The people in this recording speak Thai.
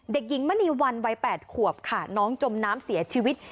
เด็กหญิงมณีวันวัย๘ขวบค่ะน้องจมน้ำเสียชีวิต